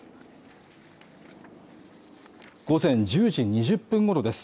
午前１０時２０分ごろです